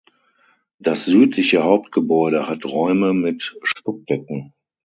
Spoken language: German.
Das südliche Hauptgebäude hat Räume mit Stuckdecken.